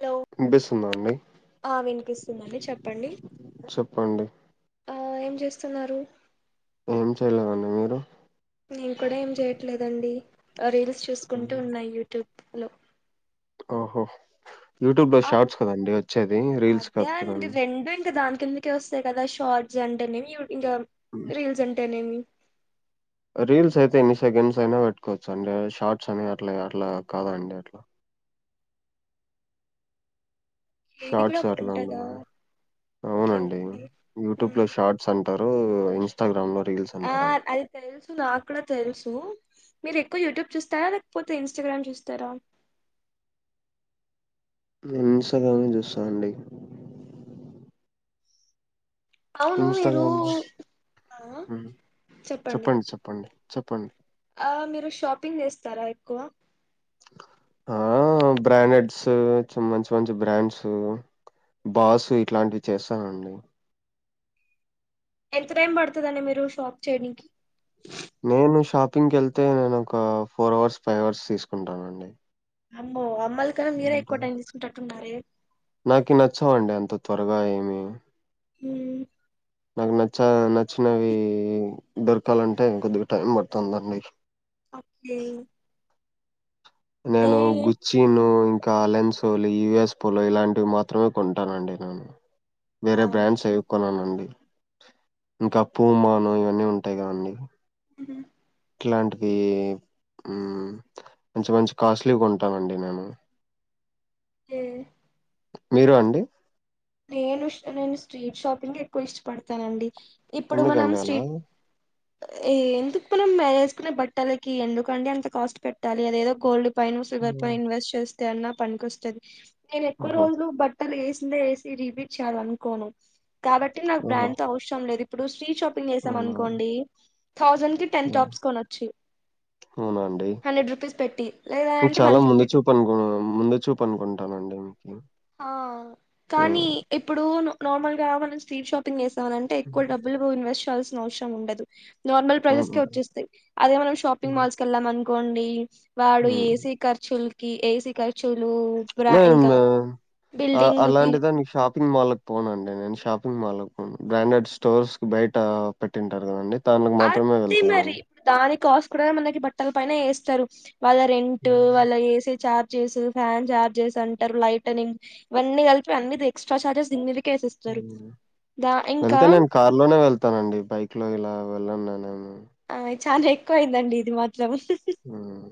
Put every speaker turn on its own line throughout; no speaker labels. Hello
వినిపిస్తుందా అండి,
ఆ వినిపిస్తుందండి చెప్పండి
చెప్పండి.
ఆ ఏం చేస్తున్నారు.
ఏం చేయలేదండీ మీరు.
నేను కూడా ఏం చెయట్లేదండి రీల్స్ చూసుకుంటూ ఉన్నా యూట్యూబ్. హలో
ఆహా యూట్యూబ్ లో షార్ట్స్ కదండి వచ్చేది రీల్స్ కాదు కదండి.
కిందికే వస్తయి కదా షార్ట్స్ అంటేనేం యూ ఇంకా రీల్స్ అంటేనేమి.
రీల్స్ అయితే ఎన్ని సెకండ్స్ అయినా పెట్టుకోవచ్చు అండి, షార్ట్స్ అని అట్లా అట్లా కాదండి అట్లా.
ఇది కూడా
షార్ట్స్
ఒకటి
అట్లా
ఉంటదా
ఉండదు
ఓకే
అవునండి
ఓకే
యూట్యూబ్
ఉమ్.
లో షార్ట్స్ అం టారు ఇన్స్టాగ్రామ్ లో రీల్స్
ఆ
అంటారండి
అది తెలుసు నా కూడా తెలుసు. మీరు ఎక్కువ యూట్యూబ్ చూస్తారా, లేకపోతే ఇన్స్టాగ్రామ్ చూస్తారా.
నేను ఇన్స్ట్రా గ్రామే చూస్తా అండి.
అవును మీరు
ఇన్స్టాగ్రామ్ లో
ఆ
హ్మ్.
చెప్పండి.
చెప్పండి.
ఆ మీరు షాపింగ్ చేస్తారా ఎక్కువ.
ఆ బ్రాండెడ్స్ మంచి మంచి బ్రాండ్స్ బాస్ ఇట్లాంటివి చేస్తానండి.
ఎంత టైం పడుతదండి మీరు షాప్ చేయనీకి.
నేను షాపింగ్కెళ్తే నేను ఒక ఫోర్ అవర్స్, ఫైవ్ అవర్స్ తీసుకుంటానండి.
అమ్మో అమ్ వాళ్ళు కాదు మీరే ఎక్కువ టైం తీసుకుంటునట్టున్నారే
నాకు నచ్చవండి అంత త్వరగా ఏమీ
హూమ్
నాకు నచ్చ నచ్చినవి దొరకాలంటే కొద్దిగా టైం పడుతాందండి
అక్కే
నేను గుచ్చిను అలెన్సోలు యుఎస్ ప్ లు ఇలాంటివి మాత్రమే కొంటానండి నేను
ఆ
వేరే బ్రాండ్స్ ఏవి కొననండి ఇంకా పూమాను ఇవన్నీ ఉంటాయి కదండి
ఉహూ
ఇట్లాంటివి హూ మంచి మంచి కాస్ట్లీవి కొంటానండి నేను
ఏ
మీరు అండి
నేను నేను స్ట్రీట్ షాపింగ్ ఎక్కువ ఇష్టపడతానండి
ఎందుకండి అలా
ఏ ఎందుకు మనం వేసుకునే బట్టలకి ఎందుకండి అంత కాస్ట్ పెట్టాలి అదేదో గోల్డ్ పైనో సిల్వర్ పై
హ్మ్.
ఇన్వెస్ట్ చేస్ తేన్న పనికొస్తది
ఓహో!
నేనెక్కువరోజులు బట్ ఏసిందే ఏస్ రీపిట్ చేయాలనుకోను కాబట్టి నాకు
ఓహో!
బ్రాండ్ తో అవసరం లేదు ఇప్పుడు స్ట్రీట్ షాప్ షాపింగ్ చేసాను అనుకోండి కి టెన్ టాప్స్ కొనొచ్చు
వునా అండి
హండ్రెడ్ రూపీస్ పెట్టి లేదంటే వన్
చాలా
ఫిఫ్టీ
ముందు
టు
చూపు అనుకు ముందు చూపు అనుకుంటానండి మీకు
హా కానీ ఇప్పుడు నార్మల్గా మనం స్ట్రీట్ షాపింగ్ చేసే కావలంటే అంటే ఎక్కువ డబ్బులు బొయిన ఇన్వెస్ట్ పెట్టల్సినవసరం ఉండదు నార్మల్ ప్రైజెస్ కే
అవునా!
వచ్చేస్తాయి అదే మనం షాపింగ్
హ్మ్.
మాల్స్ కి కెళ్ళామను పొండీ వాడు
హ్మ్.
ఏసి ఖర్చులు కి ఏసి ఖర్చుల్ నిద్ర ఇంకా బిల్డింగ్ వి
అలాంటిదాన్ని షా షాపింగ్ మాల్ కి పోనండి నేను షాపింగ్ మాల్ కి పోను బ్రాండెడ్ స్టోర్స్ కి బయట పెట్టింటారు కదండి
అంతే మరి దాని కాస్ ప్రే మనకి బట్టల పైన ఏస్తారు. వాళ్ళ రెంటు
హ్మ్.
వాళ్ళ AC charges fan charges అంటారు లైటనింగ్ ఇవన్నీ కలిపి అన్ని ఎక్స్ట్రా చార్జెస్ దీనిమీదికి
వెళ్తే నేను కార్ లోనే వెళ్తానండి బైక్ లో ఇలా వెళ్ళన్నా నేను
చాంజ్ ఎక్కువ అయిందండి ఇది మా
మ్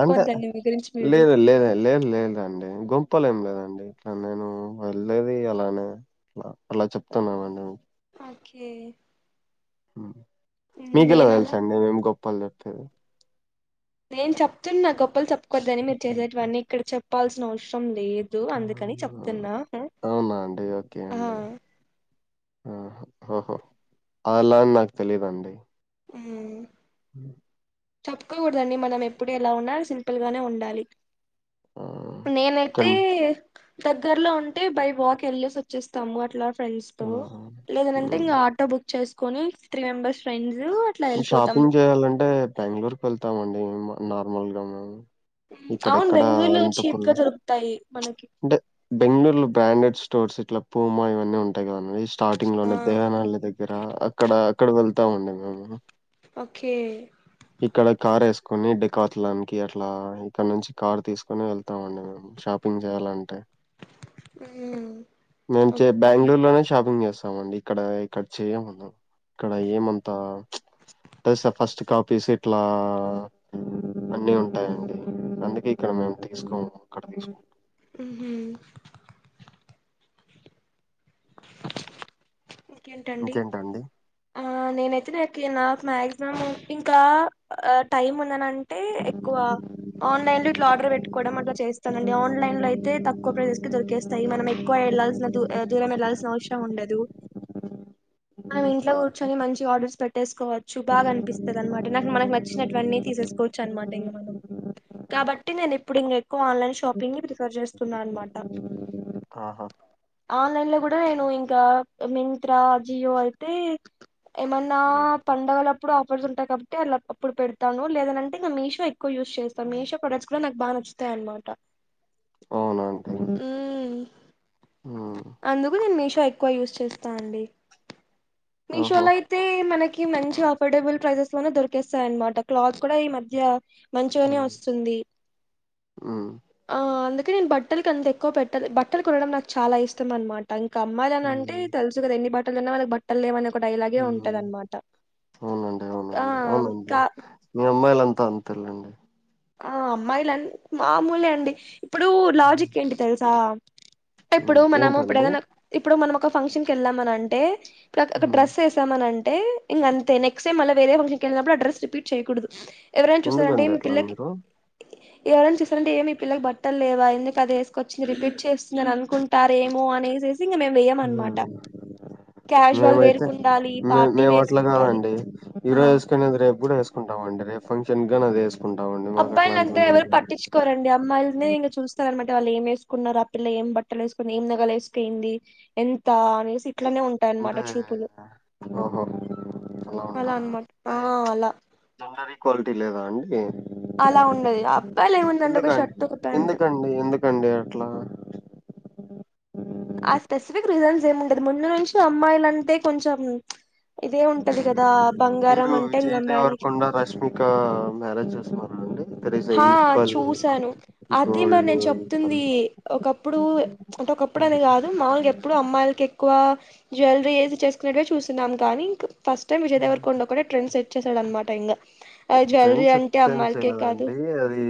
అంటే
మీ గురించి మీరు
లేదు లేద లేదు లేదండి గొప్ ప్పలేం లేదండి ఇట్లా నేను వెళ్లేది అలానే అట్లా అలా చెప్తున్నానండి.
ఓకె
ఉ మీకెలా తెలుసండి మేము గొప్ పల్ చెప్పేది
నేను చెప్తున్నా గొప్ ప్పులు చెప్పుకోవద్దని మీర్ చేసేటివన్నీ ఇక్కడ చెప్ ప్పాల్సిన అవశ్రం లేద్ దు అందుకని
అవును అవునా
చెప్తున్నా అ
అవునా అండి ఓకే
ఆ
అండి. ఆహా ఓహో అలా అని నాకు తెలిదండి.
ఉం
ఉ
తప్పుకోకూడదండి మనం ఎప్పుడు ఎలా ఉన్నా సింపుల్ గానే ఉండాలి.
ఆ ఇక్కడ
నేనైతే దగ్గర్లో ఉంటే బై వాక్ ఎల్లెస్ వచ్చేస్తాము అట్లా ఫ్రెండ్స్ తో
ఆహా
లేదనంటే
హ్మ్
ఇంగ ఆటో బుక్ చేసుకొని త్రీ మెంబెర్స్
షాపింగ్ చేయాలంటే బెంగళూర్ వెళ్తామండి మేం నార్మల్ గా మేము ఇక్కడ
అవును
ఇక్కడ
బెంగళూరులో చీప్
అనంతపుర్
గా
లో
దొరుకుతాయి మనకి
అంటే బెంగళూర్ లో బ్రాండెడ్ స్టోర్స్ ఇట్లా పూమా ఇవన్నీ ఉంటాయి కదన్వి స్టార్టింగ్
ఆ
లోనే దేవనహల్లి దగ్గర అక్కడ అక్కడ వెళ్ తామండి మేము
ఓకే
ఇక్కడ కార్ ఏస్ కొన్ని డికాత్ లానికి అట్లా ఇక్కడ నుంచి కార్ తీసుకుని వెళ్తాం అండి మేము షాపింగ్ చేయాలంటే
మ్మ్
నేను చె
ఓకే
బెంగళూరు లోనే షాపింగ్ చేస్తామండి. ఇక్కడ ఇక్కడ చేయం మండి ఇక్కడ ఏమంతా దస ఫస్ట్ కాపీ షిట్ అట్లా అన్ని ఉంటాయండి అందుకే ఇక్కడ మేము తీసుకోము అక్కడ తీసుకుంటం
హ్ హ్
ఇంకేంటండి
ఆ నేనైతే నాకి నాకు మాక్సిమం ఇంకా ఆ టైమ్ ఉం నంటే ఎక్కువ ఆన్లైన్ లో ఇట్లా ఆర్డర్ పెట్టుకోవడం. అట్లా చేస్తానండి. ఆన్లైన్ లో అయితే తక్కువ ప్రైజేస్ కి దొరికేస్తాయి మనం ఎక్కువ వెళ్లాల్సిన దూరం వెళ్లాల్సిన అవసరం ఉండదు. మనం ఇంట్ల కూర్చొని మంచిగా ఆర్ ర్డర్స్ పెట్టేస్కు కోవచ్చు బాగా అనిపిస్తది. అన్నమాట నాకు మనకు నచ్చి నట్టు వన్నీ తీసేసుకోవచ్చు. అన్నమాట ఇంక మనం కాబట్టి నేను ఇప్పుడింగ ఆన్లైన్ షాపింగ్ ప్రిఫర్ జేస్తున్నా అన్నమాట
ఆహా
ఆన్లైన్ లో కూడా నేను ఇంకా మీ త్ర ఆజియో అయితే ఏమన్నా
ఉమ్.
పండగల ప్పుడు ఆఫర్స్ ఉంటాయి. కాబట్టి అలా ఆప్పుడు పెడతాను. లేద అని అంటే ఇంగ మీషో ఎక్కువ యూజ్ చేస్తాను. మీషో ప్రొడక్ట్స్ కూడా నాకు బాగా నచ్చు తాయి అన్న మాట
అవునా అండి మ్మ్
అందుకు నేను మీషో ఎక్కువ యూస్ చేస్త స్తాండి మీషో
ఓహో
లయితే మనకి మంచి అఫోర్డబుల్ ప్రైసెస్ లోనే దొరికేస్తాయన్నమాట క్లాత్ కూడా ఈ మధ్య మంచిగానే
మ్మ్
వస్తుంది
ఉమ్
ఆ అందు ఇంక నేను బట్టలకి అంత ఎక్కువ పెట్ట బట్టలు కొనడం నాకు చాలా ఇష్టం అన్నమాట ఇంకా అమ్మాయిలు అని అంటే తెలుసు కదా ఎన్ని బట్ ఇల్ల ఉన్నవాళ్లకు బట్ ట్టలు లేవు
అవునండి
ఆ!
అవునండి అవునండి
కా
మీ అమ్మాయిలు అంతా అంతేలెండి
ఆ అమ్మాయిలాండి మామూలె అండి ఇప్పుడు లాజిక్ ఏంటి తెలుసా ఇప్పుడు
ఉమ్
మనము ఇప్పుడు
ఏంటండి
ఏదైనా ఇప్పుడు మనం ఓక ఒక ఫంక్షన్ కి వెళ్ళామని అంటే ఇప్పు ఒక
ఉమ్
డ్రస్ వేసామన అండి టే ఇక అంత నెక్స్ట్ టైం అలా వే ఫక్షన్కిళ్ళినప్పుడు అడ్రస్ రిపీట్యూడదు ఎవరైనా చూారంటే
ఎందుకండి
మీ
అట్లా
పిల్లకి
మీరు
ఎవరైనా చస్తారంటే ఏమి ఈ పిల్లకి బట్టలు లేవా ఎందుకు అది వేసుకొచ్చింది రిపీట్ చేస్తుందిని అనుకుంటార ఏమో అని క్యాజువల్
మేమైతే
వేరుకుండాలి
మే
పార్టీ
మేము అట్ల
వేసుకుండాలి
కాదండి
ఆ
ఈరో వేసుకునేది రేపుడు వేసుకు తీసుకుంటామం రే ఫంక్షన్ గా అది వేసుకుంటామండి మాకు
అబ్బాయిల అంతా
అట్లాంటివన్నీ
ఎవరు పట్టించుకోవారండి, అమ్మాయిలనే ఇంక చూస్తారనమా వాళ్ ఏం వేసుకున్నారు ఆ పిల్ల ఏం బట్టలు వేసుకున్నారు, ఏం నగలు వేసుకయింది, ఎంత వే అట్లనే
అంటే
ఉంటాయన్నమాట చూపులు
ఓహో
అలా అనమాట ఆ అలా
క్వాలిటీ లేదా అండి
అలా ఉండది ఆ అబ్బాయిలు ఏముందండి ఒక
ఎందుకండి
షర్ట్ ఒక ప్యాంట్
ఎందుకండి ఎందుకండి అట్లా
ఆ స్పెసిఫిక్ రీజన్స్ ఏమి ఉండది ముందు నుంచి అమ్మాయిల అంటే కొంచెం ఇదే ఉంటది కదా
మీరు
బంగారం అంటే ఇంక
విజయ్
అమ్మాయిలకి
దేవరకొండ రష్మిక మ్యారేజ్ చేస్తున్నా అ
ఆ చూసాను, అదే మరి
గోల్డ్
నేను
ఈక్వల్
చెప్తుంది ఒకప్పుడు అంటే ఒకప్పుడు అది కాదు, మాములుగా ఎప్పుడు అమ్మాయిలకి ఎక్కువ జ్యవలరీ ఏది చేసుకున్నట్టువగా చూస్తున్నాము కానీ ఇంక ఫస్ట్ టైమ్ విజయదవరకొండా ఒక కూడా ట్రెడ్స్ట్ సెట్ చేశాడ అనమాట ఇం జువెలరీ
ఫ్రెండ్స్
అంటే
అటెండ్
అమ్మాయిలకే కాదు
చేయలేదండి అది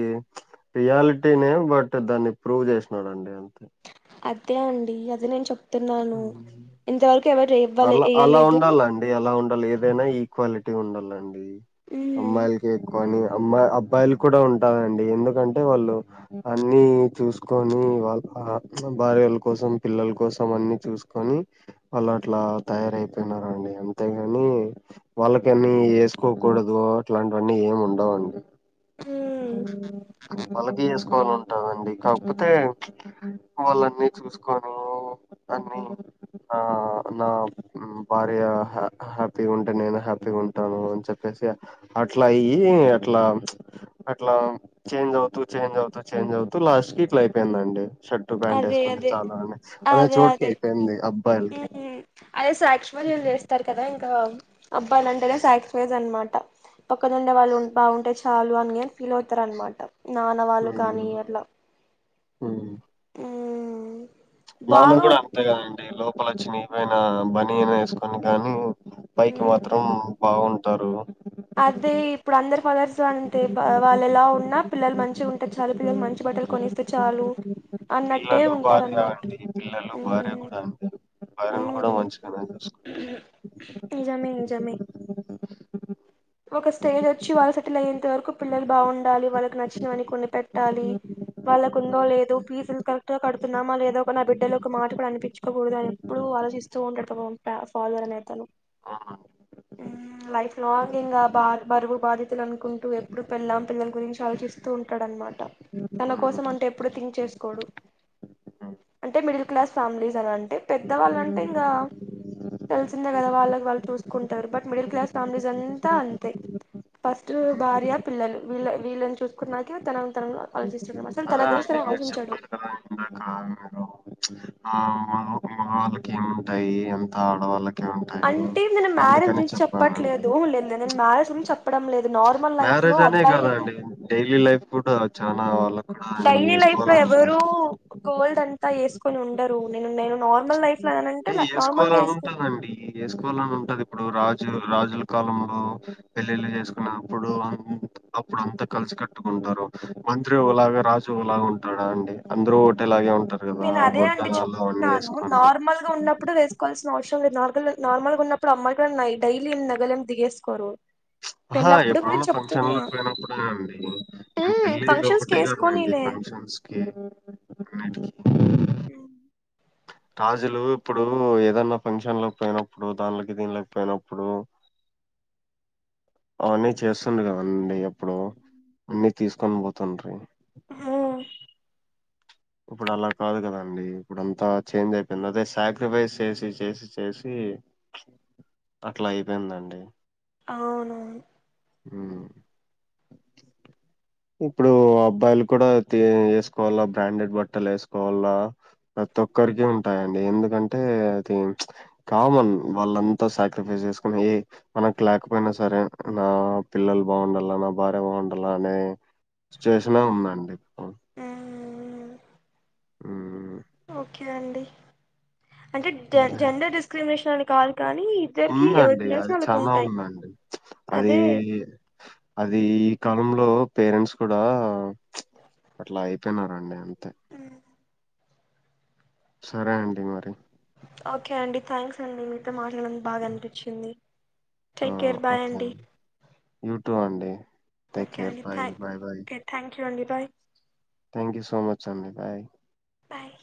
రియాలిటీనే బట్ దాన్ని ప్రూవ్ చేసినదండి అంతే
అదే అండి అది నేను చెప్ చెప్తున్నాను ఇంతవరకు ఎవరు ఇవ్వలే
అలా అలా
వయ్యలేదు
ఉండాలండి అలా ఉండాలి ఏదైనా ఈక్వాలిటీ ఉండాలండి
ఉమ్
అమ్మాయిలకే ఎక్కువ అని అమ్మాయి అబ్బాయిలు కూడా ఉంటారండి ఎందుకంటే వాళ్ళు అన్ని చూసుకొని వాళ్ భార్యల కోసం పిల్లల కోసం అన్ని చూసుకొని వాళ్ళు అట్లా తయారయిపోయినారండి అంతేగాని వాళ్ళకని వేసుకోకూడదు అట్లాంటివన్నీ ఏమి ఉండవుండి
ఉమ్
వాళ్లకి [unintelligible] ఉంటాదండి కాకపోతే వాళ్ళన్ని చూసుకొను అన్ని ఆ నా భార్య హ్యాపీగా ఉంటే నేను హ్యాపీగా ఉంటాను అని చెప్పేసి అట్లా అయ్యి అట్లా అట్లా చేంజ్ అవుతూ చేంజ్ అవుతూ చేంజ్ అవుతూ లాస్ట్ కి ఇట్లా అయిపోయిందండి షర్ట్ ప్యాంట్ వేసుకుంటే చాలా [unintelligible] చోటు
కఉమ్ అదే [unintelligible] చేస్తారు కదా ఇంకా అబ్బాయిలంటేనే సాక్స్ఫైజ్ అన్న మాట పక్కనుండే వాళ్ళు [unintelligible] బావుంటే చాలు అని ఫీలావుతారు అనమాట నానవాళ్ళు కానీ అట్లా
ఉమ్ ప్చ్ నాన్న
బాగా
కూడా
ఉంది
అంతేగాదండి లోప్ పల చినిపోయిన బనియన్ వెస్కొని గాని పైకి మాత్రం బావున్ టారు
అదే ఇప్పుడు అందరు ఫాధర్స్ అంతే బ.. వాళ్ళు ఎలా ఉన్నా పిల్లలు మంచిగుంటే చాలు పిల్లలు మంచి బట్టలు కొనిస్తే చాలు అన్నట్టే
పిల్లలు
ఉంటారు అన్
భార్య
మా
పిల్లలు, భార్య కూడా అండి భార్యను కూడా మంచిగానే చూస్కుంట్
నిజమే నిజమే ఒక స్టేజోచ్చి వాళ్ళు సెటిలయ్యేంత వరుక్ కు పిల్లలు బావుండాలి వాళ్ళకు నచ్చినవన్నీ కొనిపెట్ట్ ట్టాలి వల్కకుందో లేదు ఫీజుల్ కరెక్ట్ గా కడ్ త్ తున్నామా లేదో ఒక నా బిడ్డలు ఒక్కమాట కూడా అనిపించుకోకూడదు అని ఎప్పుడు ఆలోచిస్తూ ఉంటాడు పాపం ప.. ఫాదర్ అనేతను
చూసుకుంటారు
హుమ్ లైఫ్ లాంగ్ ఆ.. బ.. బరువు బదిత్ త్ లనుకుంటూ ఎప్పుడూ పెళ్ళాం పిల్లల్ గురించి ఆలోచిస్తూ ఉంటాడనమాట్ ట తన
హ్మ్
కోసమంటే ఎప్పుడూ థింక్ చేస్కోడు
హ్మ్
అంటే మిడిల్ క్లాస్ ఫ్యామిలీస్ అనంటే పెద్ద వాళ్ళంటే ఇంగా తెల్సిందే గదా వాళ్ళక్ వాళ్ళు చూస్కుంటారు బట్ మిడిల్ క్లాస్ ఫ్యామిలీస్ అన్ త అంతే ఫస్టు భార్య పిల్లలు వీళ్లే వీళ్ళన్ చూస్కున్నాకే తన గ్
అదా అండి మీరు చెప్పారు కదా ఇందాక మీరు ప్చ్ ఆ మగ్ మగవాళ్ళకి ఏముంటాయి అంతా ఆడవాళ్ళక్
అంటే నేను మ్యారేజ్ గురించి చెప్పట్లేదు లేద్ నేన్ మ్యారేజ్ గురించాప్
ప్చ్ మ్యారేజ్ అనే కదాండి డైలీ లైఫ్ కూడా చాలా వాళ్ళ
డైలీ లైఫ్లో ఎవ్వరు గోల్డ్ అంత్ తా వేస్కొని ఉండరు నేను నేను నార్మల్ లైఫ్ లో అనంటే
అంటే
నార్మల్ గా
ఏస్కోవాలని
వేసుకో
ఉంటదండి ఏస్కోవాలని ఉంటది ఇప్పుడు రాజ్ ు రాజుల కాలంలో పెళ్లిళ్ళ చేసుకున్నప్పుడు అప్పుడు అంతా కలిసి కట్టుకుంటారు మంత్రి ఓ లాగా రాజు ఓ లాగా ఉంటాడా అండి అందరూ ఒకటేలాగే ఉంట
నేను అదే అండి చెప్తున్నాను నార్మల్ ఉన్నప్పుడు వేస్ తీకోవాల్సిన అవసరం లేదు నార్ల్ నార్మల్గా ఉన్నప్పుడు అమ్మయి కూడాన్నా డైలీ ఏం నగలేం దిగెస్కోరు
ఆహ ఎప్పుడన్నా ఫంక్షన్ లో పెయినప్పుడే అండి, నేన్ పెళ్ళిలో
ఫంక్షన్స్ కి
ఒకటే కదండి
వేసుకోనీలే
ఫంక్షన్స్ కి అన్నిటికి
హు
రాజులు ఇప్పుడు ఏదన్నా ఫంక్షన్లకి పోయినప్పుడు దాన్లొకి దీన్లోకి పోయినప్పుడు అవున్ని చేస్సుంది కదండి ఎప్పుడు, అన్నీ తీసుకొని పోతంట్రి
ఉ
ఇప్పుడు అలా కాదు కదండి, ఇప్పుడు అంతా చేంజ్ అయిపెంది, అదే సాక్రిఫైస్ చేసి చేసి చేసి అట్లా అయిపోయిందండి.
అవునైను
ఉ, ఇప్పుడు అబ్బాయిలు కూడా తి ఎస్కోవాలా బ్రాండెడ్ బట్టలు ఎసుకోవాలా ప్రతొక్కరికి ఉంటాయండి. ఎందుకంటే అది చ్ కామన్ వాళ్ళంతా సాక్రిఫ్రెస్ చేసుకుని ఏ మనకు లేకపోయినా సరే నా పిల్లలు బావుండాల నా భార్య బావుండాలనే చేషనే ఉందండి. ఆ
ఉ
మ్మ్
ఓకే అండి అంటే జె
ఇంకే
జెండర్ డిస్క్రిమిష్ చని కాల్
ఉందండి, అది చాలా ఉందండి. అదీ
అదే
అదీ ఈ క మంలో పేరెంట్స్ కూడా చ్ అట్లా అయిపోయినారండి. తె
హ్మ్.
సరే అండి మరి
ఓకే అండి థ్యాంక్స్ అండి మీతో మా నం బాగనిపించింది.
ఆ ఓకే అండి, యూ టు అండి take care bye bye bye
క్యు అండి bye
thank you so much అండి బయ్.
బాయ్